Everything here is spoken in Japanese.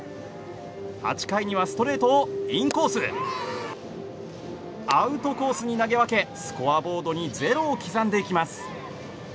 ８回にはストレートをインコースへアウトコースに投げ分けスコアボードに０を刻んでいきます。